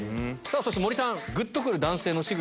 そして森さん。